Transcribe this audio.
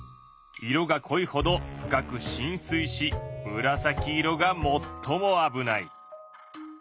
色がこいほど深くしん水しむらさき色が最も危ない。